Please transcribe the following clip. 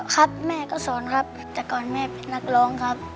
ครับแม่ก็สอนครับแต่ก่อนแม่เป็นนักร้องครับ